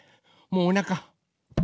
もうおなか。